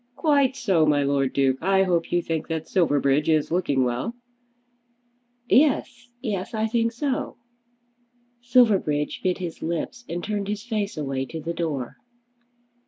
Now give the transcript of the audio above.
"Quite so, my Lord Duke. I hope you think that Silverbridge is looking well?" "Yes; yes. I think so." Silverbridge bit his lips and turned his face away to the door.